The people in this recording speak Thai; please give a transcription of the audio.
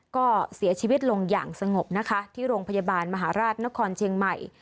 ก็เสียชีวิตลงอย่างสงบนะคะที่โรงพยาบาลมหาราชนครเชียงใหม่